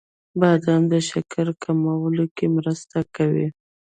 • بادام د شکر کمولو کې مرسته کوي.